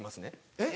えっ？